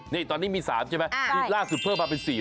นี่ตอนนี้มี๓ใช่ไหมล่าสุดเพิ่มมาเป็น๔๐